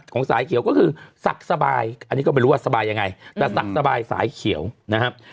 สายเขียวก็คือสักสบายอันนี้ก็ไม่รู้ว่าสบายยังไงแต่สักสบายสายเขียวนะครับ